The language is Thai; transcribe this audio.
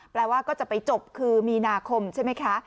แปลว่าก็จะไปจบคือมีนาคมใช่ไหมคะ